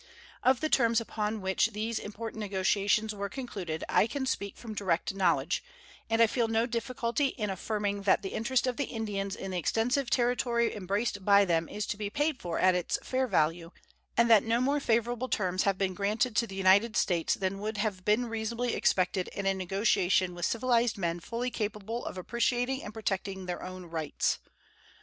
Of the terms upon which these important negotiations were concluded I can speak from direct knowledge, and I feel no difficulty in affirming that the interest of the Indians in the extensive territory embraced by them is to be paid for at its fair value, and that no more favorable terms have been granted to the United States than would have been reasonably expected in a negotiation with civilized men fully capable of appreciating and protecting their own rights.